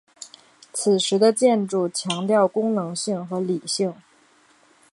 此时的建筑强调功能性和理性。